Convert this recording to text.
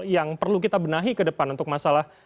yang perlu kita benahi ke depan untuk masalah